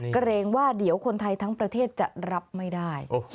เกรงว่าเดี๋ยวคนไทยทั้งประเทศจะรับไม่ได้